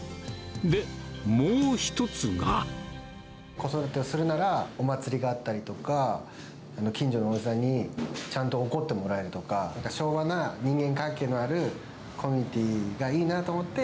で、子育てをするなら、お祭りがあったりとか、近所のおじさんにちゃんと怒ってもらえるとか、昭和な人間関係のあるコミュニティーがいいなと思って。